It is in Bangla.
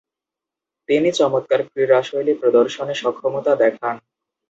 তিনি চমৎকার ক্রীড়াশৈলী প্রদর্শনে সক্ষমতা দেখান।